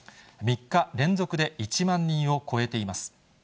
３日連続で１万人を超えています。